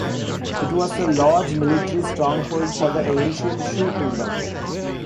It was a large military stronghold for the ancient Shu Kingdom.